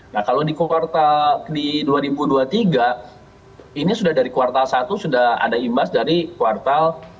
nah kalau di kuota dua ribu dua puluh tiga ini sudah dari kuota satu sudah ada imbas dari kuota empat